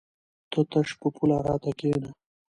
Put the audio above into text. ته تش په پوله راته کېنه!